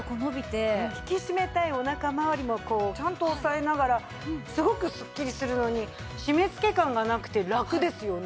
引き締めたいお腹回りもちゃんと押さえながらすごくすっきりするのに締め付け感がなくてラクですよね。